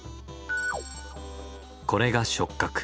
これが触覚。